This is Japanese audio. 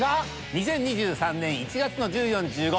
２０２３年１月の１４１５